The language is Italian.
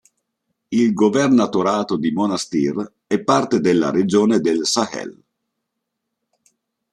Il governatorato di Monastir è parte della regione del Sahel.